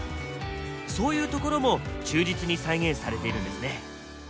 そういうところも忠実に再現されているんですね。